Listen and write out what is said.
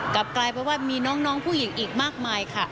กลับกลายเป็นว่ามีน้องผู้หญิงอีกมากมายค่ะ